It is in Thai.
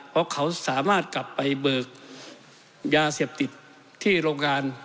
เพราะเขาสามารถกลับไปเบิกยาเสพติดที่โรงงาน